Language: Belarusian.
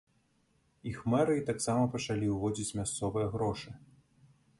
Іх мэрыі таксама пачалі ўводзіць мясцовыя грошы.